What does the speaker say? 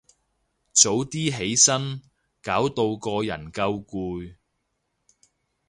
早啲起身，搞到個人夠攰